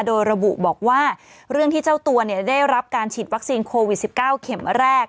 โดยระบุบอกว่าเรื่องที่เจ้าตัวได้รับการฉีดวัคซีนโควิด๑๙เข็มแรก